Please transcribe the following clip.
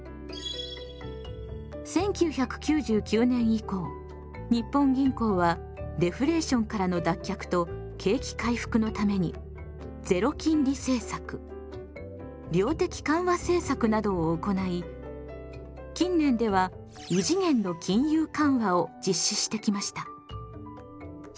１９９９年以降日本銀行はデフレーションからの脱却と景気回復のために「ゼロ金利政策」「量的緩和政策」などを行い近年では「異次元の金融緩和」を実施してきました。